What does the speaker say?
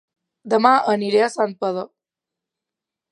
Dema aniré a Santpedor